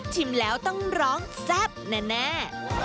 แล้วต้องร้องแซ่บแน่